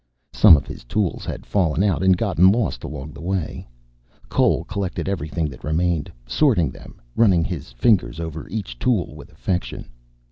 Some of his tools had fallen out and gotten lost along the way. Cole collected everything that remained, sorting them, running his fingers over each tool with affection.